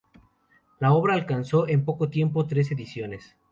La obra alcanzó en poco tiempo tres ediciones.